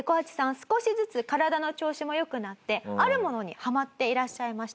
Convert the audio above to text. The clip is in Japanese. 少しずつ体の調子も良くなってあるものにハマっていらっしゃいました。